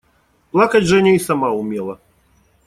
Плакать Женя и сама умела.